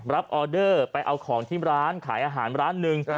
ออเดอร์ไปเอาของที่ร้านขายอาหารร้านหนึ่ง